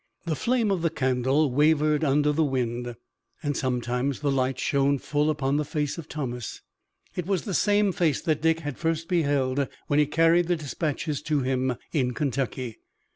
The flame of the candle wavered under the wind, and sometimes the light shone full upon the face of Thomas. It was the same face that Dick had first beheld when he carried the dispatches to him in Kentucky.